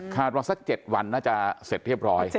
ว่าสัก๗วันน่าจะเสร็จเรียบร้อย